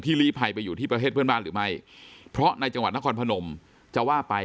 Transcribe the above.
ลีภัยไปอยู่ที่ประเทศเพื่อนบ้านหรือไม่เพราะในจังหวัดนครพนมจะว่าไป